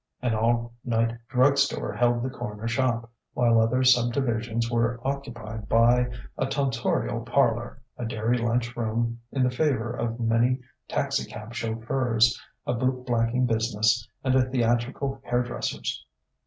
An all night drug store held the corner shop, while other subdivisions were occupied by a "tonsorial parlor," a dairy lunch room in the favour of many taxicab chauffeurs, a boot blacking business, and a theatrical hair dresser's.